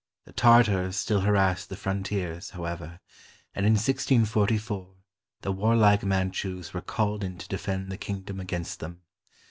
The Tartars still harassed the frontiers, however, and in 1644 the warlike Manchus were called in to defend the kingdom against them.